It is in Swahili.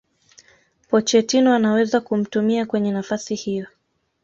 Pochettino anaweza kumtumia kwenye nafasi hiyo